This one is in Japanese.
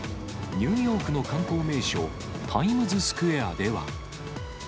ニューヨークの観光名所、タイムズスクエアでは。